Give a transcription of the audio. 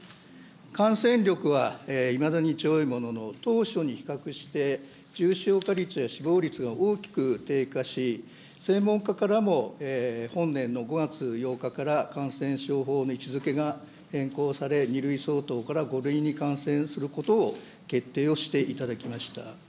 感染力はいまだに強いものの、当初に比較して、重症化率や死亡率が大きく低下し、専門家からも、本年の５月８日から感染症法の位置づけが変更され、２類相当から５類にかんせんすることを決定をしていただきました。